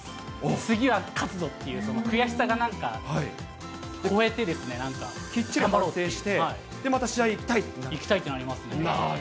次は勝つぞっていう、悔しさがなんか超えて、きっちり反省して、また試合行きたいってなりますね。